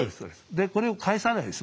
でこれを返さないです